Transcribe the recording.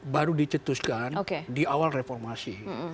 baru dicetuskan di awal reformasi